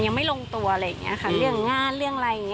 ยังไม่ลงตัวอะไรอย่างนี้ค่ะเรื่องงานเรื่องอะไรอย่างนี้